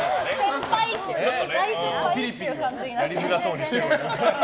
大先輩っていう感じになっちゃって。